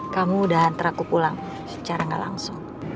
kamu udah hantar aku pulang secara gak langsung